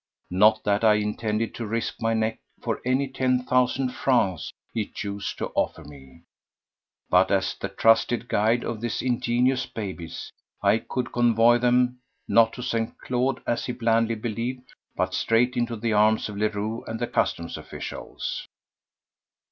Not that I intended to risk my neck for any ten thousand francs he chose to offer me, but as the trusted guide of his ingenuous "babies" I could convoy them—not to St. Claude, as he blandly believed, but straight into the arms of Leroux and the customs officials.